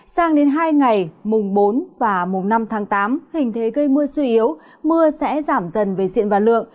sang đến hai ngày mùng bốn và mùng năm tháng tám hình thế gây mưa suy yếu mưa sẽ giảm dần về diện và lượng